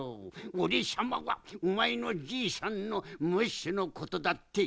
おれさまはおまえのじいさんのムッシュのことだってしっとるわい！